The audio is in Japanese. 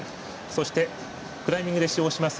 そして、クライミングで使用します